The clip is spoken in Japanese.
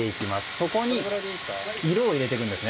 そこに色を入れていくんですね。